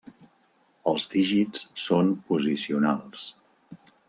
Els dígits són posicionals.